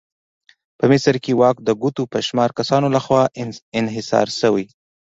په مصر کې واک د ګوتو په شمار کسانو لخوا انحصار شوی.